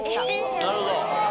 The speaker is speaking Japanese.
なるほど。